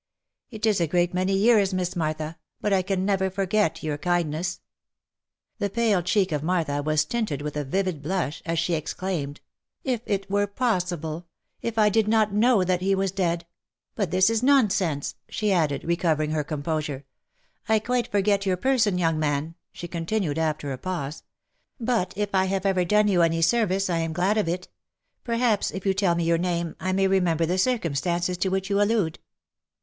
" It is a great many years, Miss Martha — but I can never forget your kindness/' The pale cheek of Martha was tinted with a vivid blush, as she ex claimed, " If it were possible — if I did not know that he was dead — But this is nonsense," she added, recovering her composure. " I quite forget your person, young man," she continued, after a pause :" But if I have ever done you any service, I am glad of it. Perhaps if you tell me your name I may remember the circumstances to which you allude."